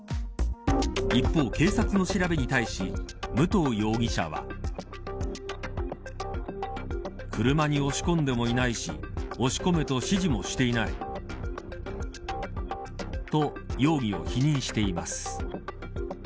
一方、警察の調べに対し武藤容疑者は。と容疑を否認しています。